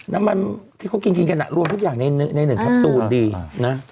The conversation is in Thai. น้ำมันที่เขากินกันรวมทุกอย่างใน๑แคปซูลดีนะ